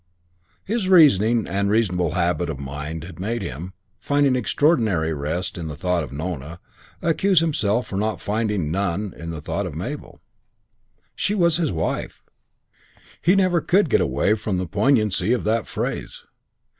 His reasoning and reasonable habit of mind had made him, finding extraordinary rest in thought of Nona, accuse himself for finding none in thought of Mabel. She was his wife; he never could get away from the poignancy of that phrase.